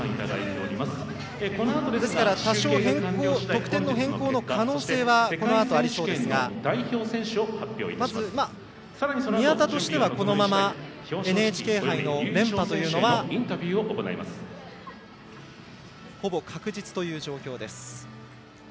ですから多少得点の変更の可能性がこのあとありそうですが宮田としてはこのままＮＨＫ杯の連覇というのはほぼ確実という状況です。